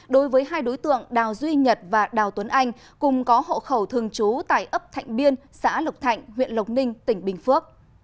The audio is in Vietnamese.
đối với hai đối tượng đào duy nhật và đào tuấn anh cùng có hộ khẩu thường trú tại ấp thạnh biên xã lộc thạnh huyện lộc ninh tỉnh bình phước